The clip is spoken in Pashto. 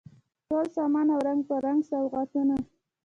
ټول سامان او رنګ په رنګ سوغاتونه